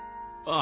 あ。